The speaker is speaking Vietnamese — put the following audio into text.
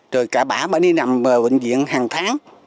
rồi cả bà bà đi nằm bệnh viện hàng tháng